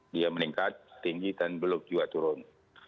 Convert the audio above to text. dia meningkat tinggi dan belum juga turun